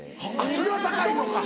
それは高いのか。